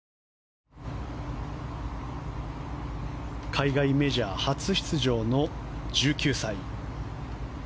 海外メジャー初出場の１９歳。